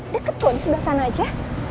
deket kok disini gak sana aja